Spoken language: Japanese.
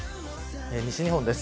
西日本です。